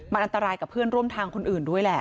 มันอันตรายกับเพื่อนร่วมทางคนอื่นด้วยแหละ